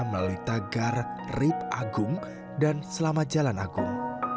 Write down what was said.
melalui tagar rib agung dan selamat jalan agung